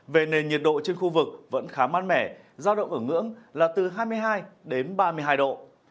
về nền nhiệt độ trên khu vực vẫn khá mát mẻ giao động ở ngưỡng là từ hai mươi hai đến ba mươi hai độ